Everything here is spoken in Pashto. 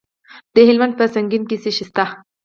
د هلمند په سنګین کې څه شی شته؟